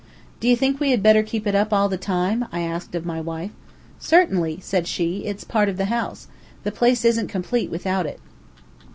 "Do you think we had better keep it up all the time?" I asked of my wife. "Certainly," said she. "It's a part of the house. The place isn't complete without it."